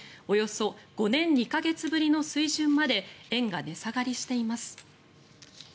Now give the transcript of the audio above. およそ５年２か月ぶりの水準まで円が値下がりしています。